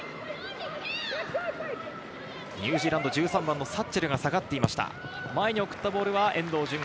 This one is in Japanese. ニュージーランド１３番・サッチェルが下がっていました。